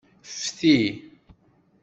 Fti.